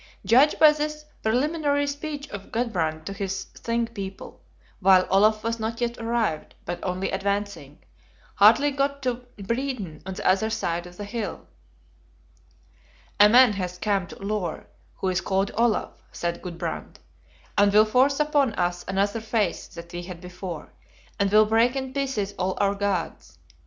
Judge by this preliminary speech of Gudbrand to his Thing people, while Olaf was not yet arrived, but only advancing, hardly got to Breeden on the other side of the hill: "A man has come to Loar who is called Olaf," said Gudbrand, "and will force upon us another faith than we had before, and will break in pieces all our Gods.